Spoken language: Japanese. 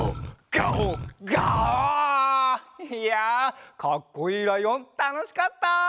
いやかっこいいライオンたのしかった！